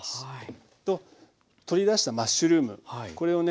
と取り出したマッシュルームこれをね